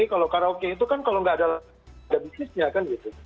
kalau karaoke itu kan kalau nggak ada bisnisnya kan gitu